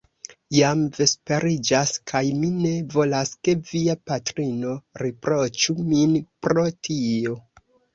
Jam vesperiĝas; kaj mi ne volas, ke via patrino riproĉu min pro tio.